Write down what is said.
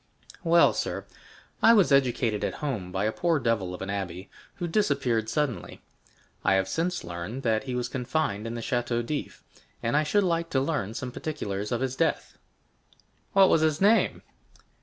"Well, sir, I was educated at Rome by a poor devil of an abbé, who disappeared suddenly. I have since learned that he was confined in the Château d'If, and I should like to learn some particulars of his death." "What was his name?"